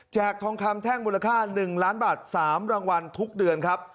ทองคำแท่งมูลค่า๑ล้านบาท๓รางวัลทุกเดือนครับ